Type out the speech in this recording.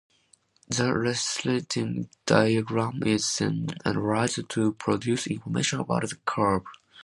The resulting diagram is then analyzed to produce information about the curve.